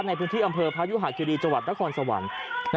ในพื้นที่อำเภอพยุหาคิรีจังหวัดนครสวรรค์